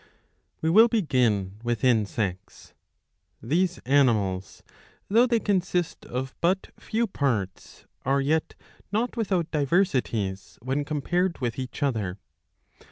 We will begin with Insects.^ These animals, though they consist of but few parts, are yet not without diversities when compared with each other.